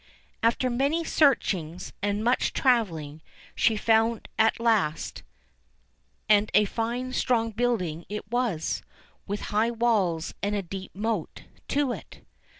After many searchings, and much travelling, she found it at last ; and a fine strong building it was, with high walls and a deep moat to it.